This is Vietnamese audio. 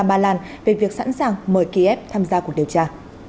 ba lan về việc sẵn sàng mời kiev tham gia cuộc điều tra